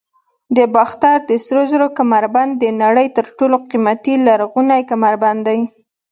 د باختر د سرو زرو کمربند د نړۍ تر ټولو قیمتي لرغونی کمربند دی